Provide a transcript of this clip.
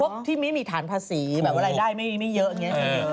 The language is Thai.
ที่ไม่มีฐานภาษีแบบว่ารายได้ไม่เยอะอย่างนี้